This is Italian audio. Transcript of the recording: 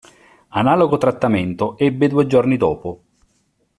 Analogo trattamento ebbe due giorni dopo.